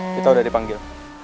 kita udah dipanggil